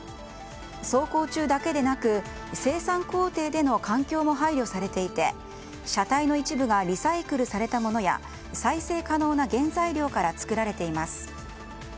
走行中だけでなく、生産工程での環境も配慮されていて車体の一部がリサイクルされたものや再生可能な原材料から作られています。